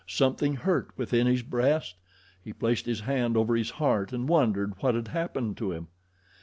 Something hurt within his breast. He placed his hand over his heart and wondered what had happened to him.